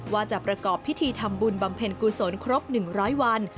ว่าจะประกอบพิธีทำบุญบำเพ็ญกุศลครบ๑๐๐วัน